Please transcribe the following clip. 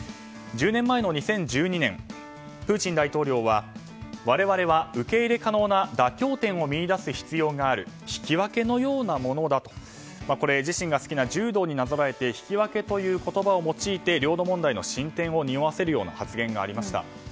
１０年前の２０１２年プーチン大統領は我々は受け入れ可能な妥協点を見いだす必要がある引き分けのようなものだとこれ、自身が好きな柔道になぞらえて引き分けという言葉を用いて領土問題の進展をにおわせるような発言がありました。